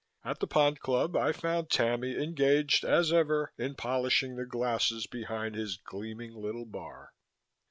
At the Pond Club I found Tammy engaged, as ever, in polishing the glasses behind his gleaming little bar.